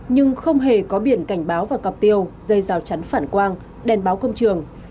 nhưng không hề có biển cảnh báo và cọp tiêu dây rào chắn phản quang đèn báo công trường